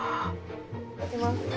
頂きます。